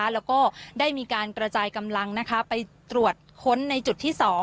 แล้วก็ได้มีการกระจายกำลังไปตรวจค้นในจุดที่๒